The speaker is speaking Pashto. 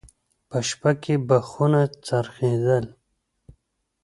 په شپه کې به خونه څرخېدل.